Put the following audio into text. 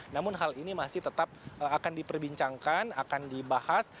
namun hal ini masih tetap akan diperbincangkan akan dibahas